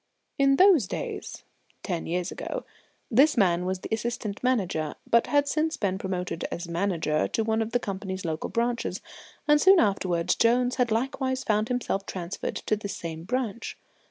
In those days ten years ago this man was the Assistant Manager, but had since been promoted as Manager to one of the company's local branches; and soon afterwards Jones had likewise found himself transferred to this same branch.